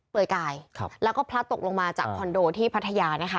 เปิดกายและพลัดตกลงมาจากคอนโดที่พัทยา